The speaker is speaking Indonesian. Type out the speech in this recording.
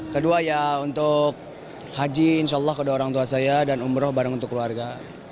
kedua ya untuk haji insya allah kepada orang tua saya dan umroh bareng untuk keluarga